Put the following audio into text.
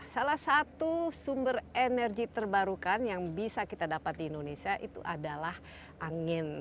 salah satu sumber energi terbarukan yang bisa kita dapat di indonesia itu adalah angin